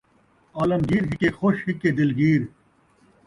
اورن٘گ زیب عالمگیر ہکے خوش ہکے دلگیر